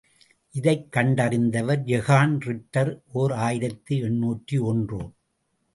இதைக் கண்டறிந்தவர் ஜொகான் ரிட்டர், ஓர் ஆயிரத்து எண்ணூற்று ஒன்று.